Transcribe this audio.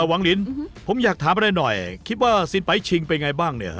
หวังลินผมอยากถามอันนี้หน่อยคิดว่าซิลไปร์ชิงเป็นยังไงบ้างเนี่ย